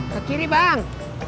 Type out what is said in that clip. ke kiri bang